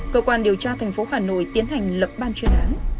cơ quan điều tra thành phố hà nội tiến hành lập ban chuyên án